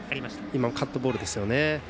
今のカットボールですよね。